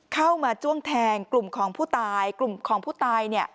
เข้ามาจ้วงแทงกลุ่มของผู้ตายกลุ่มของผู้ตาย